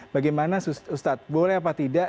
bagaimana ustadz boleh apa